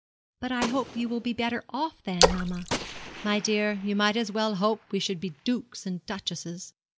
'But I hope you will be better off then, mamma.' 'My dear, you might as well hope we should be dukes and duchesses.